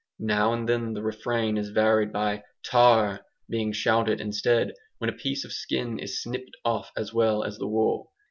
Now and then the "refrain" is varied by "Tar!" being shouted instead, when a piece of skin is snipped off as well as the wool.